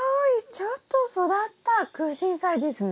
ちょっと育ったクウシンサイですね。